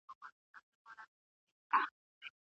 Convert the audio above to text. څنګه سوداګریز شرکتونه افغاني غالۍ عربي هیوادونو ته لیږدوي؟